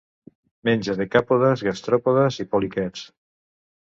Menja decàpodes, gastròpodes i poliquets.